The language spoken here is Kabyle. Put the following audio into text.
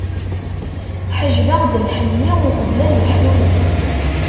Ḥejbeɣ-d lḥenni, qbel ad yeḥluli.